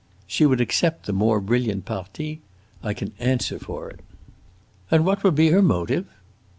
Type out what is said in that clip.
"She would accept the more brilliant parti. I can answer for it." "And what would be her motive?"